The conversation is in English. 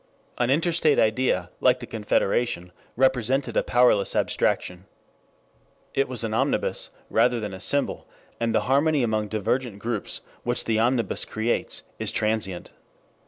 An interstate idea, like the Confederation, represented a powerless abstraction. It was an omnibus, rather than a symbol, and the harmony among divergent groups, which the omnibus creates, is transient.